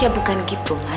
ya bukan gitu mas